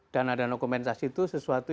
dana danokompensasi itu sesuatu